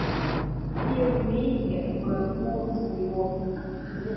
Chiều ni nhớ vợ buồn thúi ruột